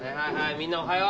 みんなおはよう。